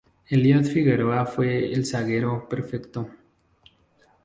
Elías Figueroa fue el zaguero perfecto".